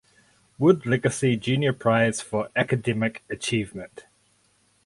Wood Legacy Junior Prize for academic achievement.